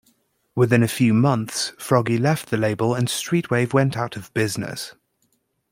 Within a few months Froggy left the label and Streetwave went out of business.